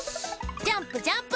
ジャンプジャンプ！